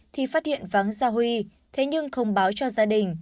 thì phát hiện vắng gia huy thế nhưng không báo cho gia đình